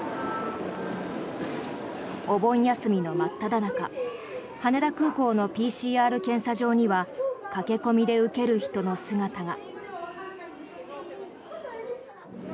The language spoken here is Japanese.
お盆休みの真っただ中羽田空港のＰＣＲ検査場には駆け込みで受ける人の姿が。